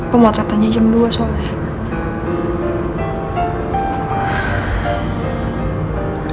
pemotretannya jam dua soalnya